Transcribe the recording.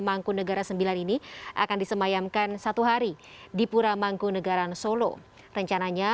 mangkunegara sembilan ini akan disemayamkan satu hari di pura mangkunagaran solo rencananya